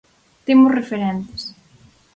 Temos referentes.